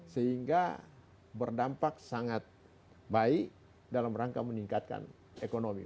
sehingga berdampak sangat baik dalam rangka meningkatkan ekonomi